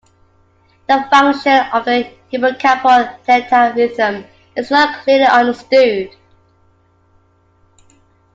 The function of the hippocampal theta rhythm is not clearly understood.